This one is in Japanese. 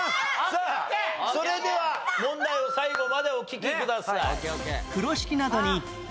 さあそれでは問題を最後までお聞きください。